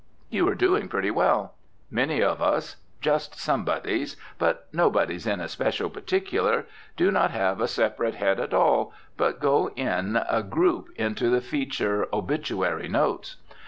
You are doing pretty well. Many of us, just somebodies but nobodies in especial particular, do not have a separate head at all but go in a group into the feature "Obituary Notes."